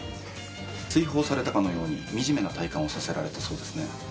追放されたかのようにみじめな体感をされたそうですね。